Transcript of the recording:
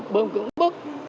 bơm cứng bức